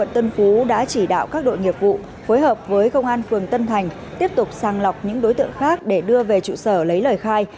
tiếp tục sàng lọc những đối tượng khác để đưa về trụ sở lấy lời khai